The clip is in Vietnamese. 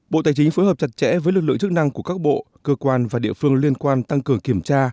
bộ tài chính phối hợp chặt chẽ với lực lượng chức năng của các bộ cơ quan và địa phương liên quan tăng cường kiểm tra